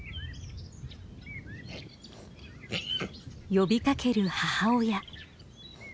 呼びかける母親。